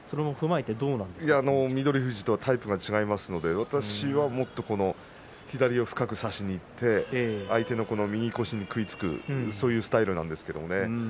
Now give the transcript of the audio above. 富士とまたタイプが違いますので私はもっと左を深く差しにいって相手の右腰に食いつくそういうスタイルなんですけどね。